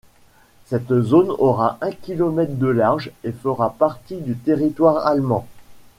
Cette zone aura un kilomètre de large et fera partie du territoire allemand.